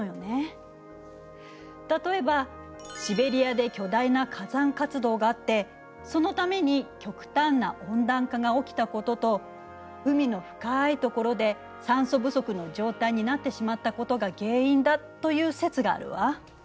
例えばシベリアで巨大な火山活動があってそのために極端な温暖化が起きたことと海の深いところで酸素不足の状態になってしまったことが原因だという説があるわ。